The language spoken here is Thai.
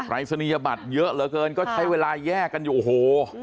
รายศนียบัตรเยอะเหลือเกินก็ใช้เวลาแยกกันอยู่โอ้โห